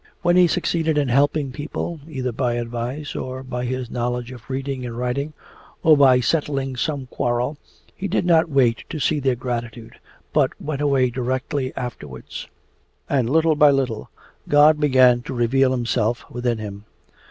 When he succeeded in helping people, either by advice, or by his knowledge of reading and writing, or by settling some quarrel, he did not wait to see their gratitude but went away directly afterwards. And little by little God began to reveal Himself within him.